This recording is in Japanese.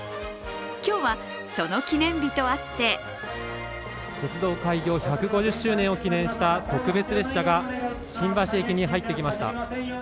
今日はその記念日とあって鉄道開業１５０周年を記念した特別列車が新橋駅に入ってきました。